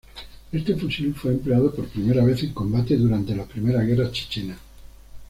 Este fusil fue empleado por primera vez en combate durante la Primera Guerra Chechena.